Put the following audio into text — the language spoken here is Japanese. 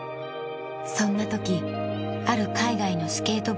そんな時ある海外のスケート